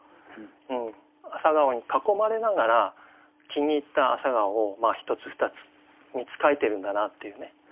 朝顔に囲まれながら気に入った朝顔を１つ２つ３つ描いてるんだなっていうね。